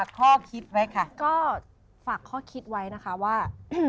ก็ต้องฝากข้อคิดไว้ว่า